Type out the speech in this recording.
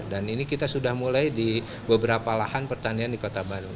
dan ini kita sudah mulai di beberapa lahan pertanian di kota bandung